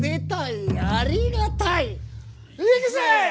いくぜ！